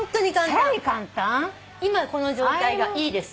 今この状態がいいです。